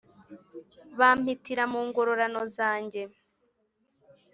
Bampitira mu ngororano zanjye